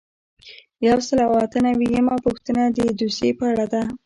یو سل او اته نوي یمه پوښتنه د دوسیې په اړه ده.